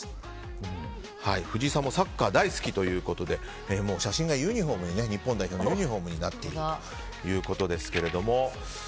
藤井さんもサッカー大好きということで写真が日本代表のユニホームになっているということですが。